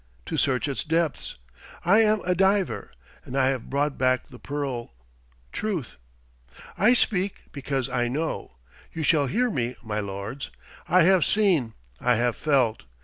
To search its depths. I am a diver, and I have brought back the pearl, truth. I speak, because I know. You shall hear me, my lords. I have seen, I have felt!